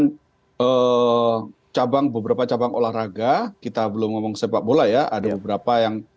diedun cabang beberapa cabang olahraga kita belum ngomong sepakbola ya ada beberapa yang